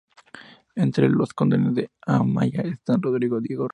Entre los condes de Amaya están Rodrigo, Diego Rodríguez "Porcelos y Munio Núñez.